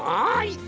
はい！